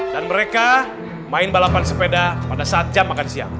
dan mereka main balapan sepeda pada saat jam makan siang